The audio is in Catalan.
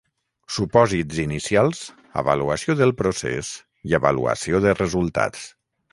Supòsits inicials, avaluació del procés i avaluació de resultats.